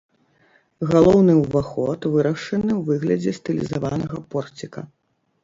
Галоўны ўваход вырашаны ў выглядзе стылізаванага порціка.